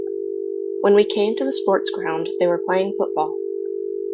When we came to the sports ground, they were playing football.